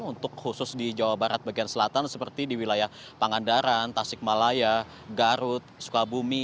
untuk khusus di jawa barat bagian selatan seperti di wilayah pangandaran tasik malaya garut sukabumi